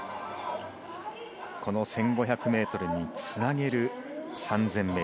この１５００ｍにつなげる３０００ｍ。